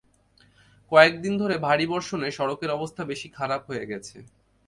কয়েক দিন ধরে ভারী বর্ষণে সড়কের অবস্থা বেশি খারাপ হয়ে গেছে।